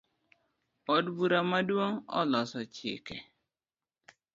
Od bura maduong oloso chike